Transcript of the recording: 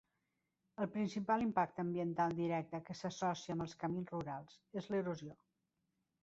El principal impacte ambiental directe que s'associa amb els camins rurals, és l'erosió.